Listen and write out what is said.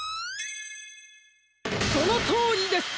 そのとおりです！